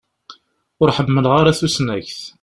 Ur ḥemmleɣ ara tusnakt.